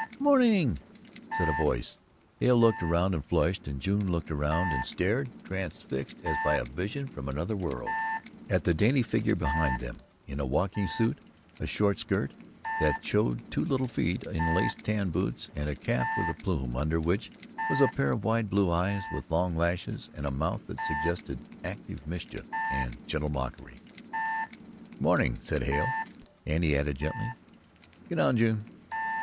"Good morning!" said a voice. Hale looked around and flushed, and June looked around and stared transfixed as by a vision from another world at the dainty figure behind them in a walking suit, a short skirt that showed two little feet in laced tan boots and a cap with a plume, under which was a pair of wide blue eyes with long lashes, and a mouth that suggested active mischief and gentle mockery. "Oh, good morning," said Hale, and he added gently, "Get down, June!"